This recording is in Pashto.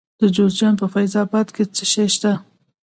د جوزجان په فیض اباد کې څه شی شته؟